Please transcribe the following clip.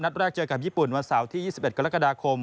แรกเจอกับญี่ปุ่นวันเสาร์ที่๒๑กรกฎาคม